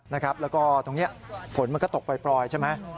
แล้วก็ตรงนี้ฝนมันก็ตกปล่อยใช่ไหม